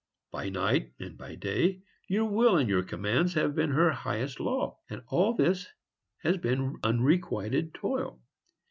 By night and by day, your will and your commands have been her highest law; and all this has been unrequited toil.